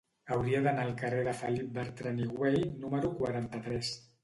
Hauria d'anar al carrer de Felip Bertran i Güell número quaranta-tres.